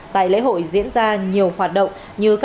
tại lễ hội diễn ra nhiều hoạt động